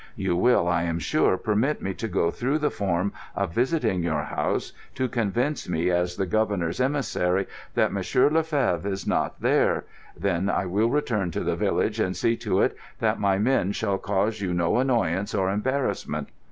You will, I am sure, permit me to go through the form of visiting your house, to convince me, as the Governor's emissary, that Monsieur le Fevre is not there. Then I will return to the village and see to it that my men shall cause you no annoyance or embarrassment.